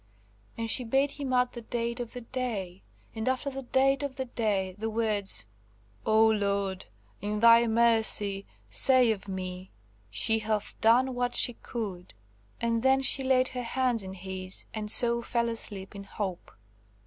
'" And she bade him add the date of the day, and after the date of the day the words, "O Lord, in Thy mercy say of me–She hath done what she could!" And then she laid her hand in his; and so fell asleep in hope.